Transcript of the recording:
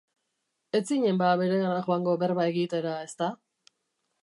Ez zinen ba beregana joango berba egitera, ezta?